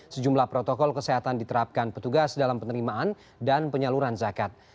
sejumlah protokol kesehatan diterapkan petugas dalam penerimaan dan penyaluran zakat